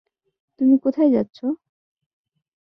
তুমি কোথায় যাচ্ছো?